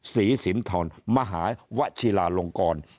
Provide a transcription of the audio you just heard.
ศรีสินทรมหาวชิลาลงกร